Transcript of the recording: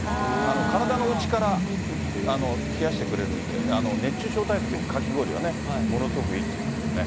体の内から冷やしてくれるんで、熱中症対策にかき氷はね、ものすごくいいっていいますよね。